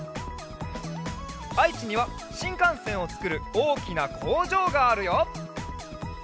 あいちにはしんかんせんをつくるおおきなこうじょうがあるよ。